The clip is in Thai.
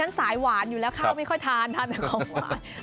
สายหวานอยู่แล้วข้าวไม่ค่อยทานทานแต่ของหวาน